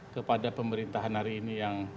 kepada pemerintahan hari ini yang